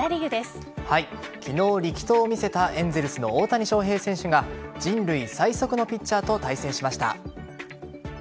昨日力投を見せたエンゼルスの大谷翔平選手が人類最速のピッチャーと対戦しました。